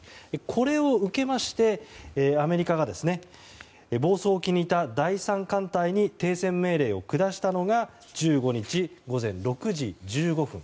これを受けまして、アメリカが房総沖にいた第三艦隊に停戦命令を下したのが１５日、午前６時１５分。